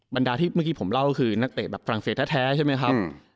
บรรดาที่เมื่อกี้ผมเล่าก็คือนักเตะแบบฝรั่งเศสแท้ใช่ไหมครับ